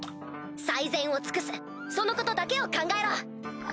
最善を尽くすそのことだけを考えろ！